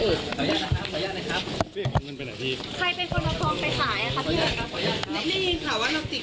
เขาบอกว่าพี่เอกเอาเงินไปทำอะไรนะพี่